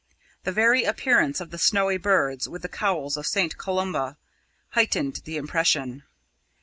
The very appearance of the snowy birds, with the cowls of Saint Columba, heightened the impression.